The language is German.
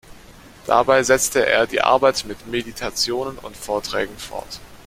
Dabei setzte er die Arbeit mit Meditationen und Vorträgen fort.